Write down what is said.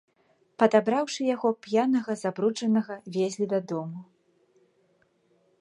Падабраўшы яго, п'янага, забруджанага, везлі дадому.